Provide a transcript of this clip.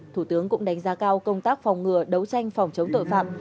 thủ tướng cũng đánh giá cao công tác phòng ngừa đấu tranh phòng chống tội phạm